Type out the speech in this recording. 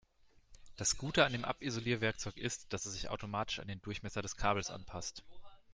Das Gute an dem Abisolierwerkzeug ist, dass es sich automatisch an den Durchmesser des Kabels anpasst.